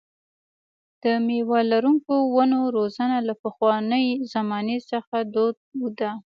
د مېوه لرونکو ونو روزنه له پخوانۍ زمانې څخه دود ده.